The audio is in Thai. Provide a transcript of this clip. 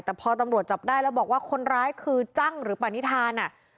แต่พอตำรวจจับได้แล้วบอกว่าคนร้ายคือจังหรือปณิธาน